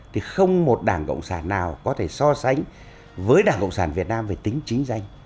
thì không một đảng cộng sản nào có thể so sánh với đảng cộng sản việt nam về tính chính danh